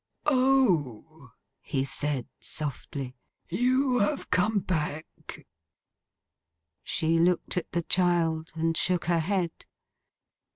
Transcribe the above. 'O!' he said softly. 'You have come back?' She looked at the child, and shook her head.